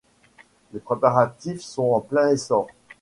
Les préparatifs sont en plein essor.